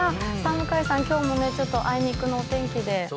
向井さん、今日もあいにくのお天気で。